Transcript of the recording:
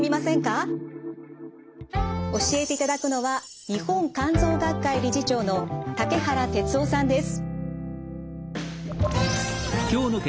教えていただくのは日本肝臓学会理事長の竹原徹郎さんです。